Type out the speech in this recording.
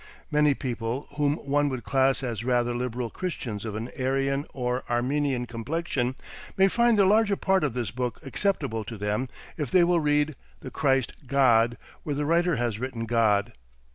Many people, whom one would class as rather liberal Christians of an Arian or Arminian complexion, may find the larger part of this book acceptable to them if they will read "the Christ God" where the writer has written "God."